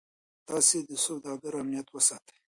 تاسي د سوداګرو امنیت وساتئ.